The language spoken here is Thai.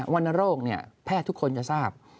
วรรณโรคแพทย์ทุกคนจะทราบ